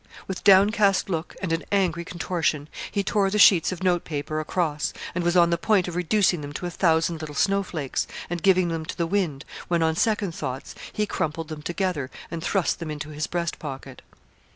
With downcast look, and an angry contortion, he tore the sheets of note paper across, and was on the point of reducing them to a thousand little snow flakes, and giving them to the wind, when, on second thoughts, he crumpled them together, and thrust them into his breast pocket.